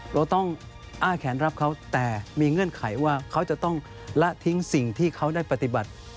เราต้องอ้าแขนรับเขาแต่มีเงื่อนไขว่าเขาจะต้องละทิ้งสิ่งที่เขาได้ปฏิบัติ